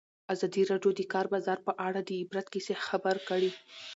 ازادي راډیو د د کار بازار په اړه د عبرت کیسې خبر کړي.